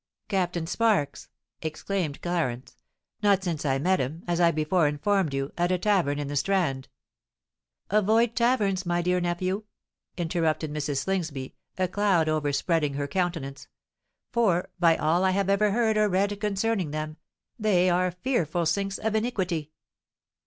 "Captain Sparks!" exclaimed Clarence. "Not since I met him, as I before informed you, at a tavern in the Strand——" "Avoid taverns, my dear nephew!" interrupted Mrs. Slingsby, a cloud overspreading her countenance; "for—by all I have ever heard or read concerning them—they are fearful sinks of iniquity."